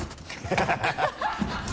ハハハ